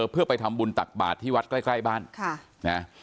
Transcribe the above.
เพื่อไปทำบุญตักบาทที่วัดใกล้ใกล้บ้าน